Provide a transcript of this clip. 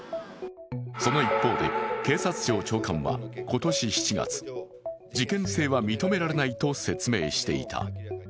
その一方で警察庁長官は今年７月、事件性は認められないと説明していた。